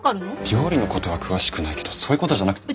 料理のことは詳しくないけどそういうことじゃなくて。